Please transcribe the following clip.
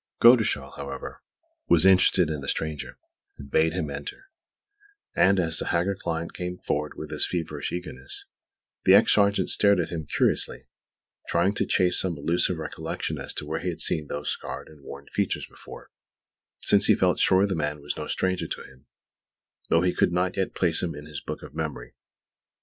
Godeschal, however, was interested in the stranger, and bade him enter; and as the haggard client came forward with feverish eagerness, the ex sergeant stared at him curiously, trying to chase some elusive recollection as to where he had seen those scarred and worn features before, since he felt sure the man was no stranger to him, though he could not yet place him in his book of memory.